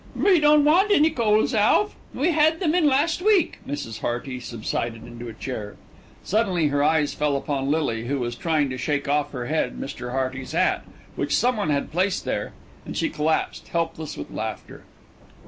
"We don't want any coals, Alf. We had them in last week." Mrs. Hearty subsided into a chair. Suddenly her eyes fell upon Lily, who was trying to shake off her head Mr. Hearty's hat, which someone had placed there, and she collapsed, helpless with laughter.